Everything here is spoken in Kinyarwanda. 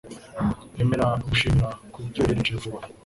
Emera ugushimira kubyo wohereje vuba